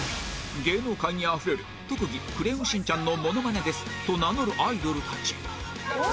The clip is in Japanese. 芸能界にあふれる「特技“クレヨンしんちゃん”のモノマネです」と名乗るアイドルたち